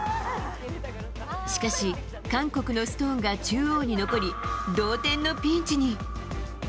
しかし、韓国のストーンが中央に残り、同点のピンチに。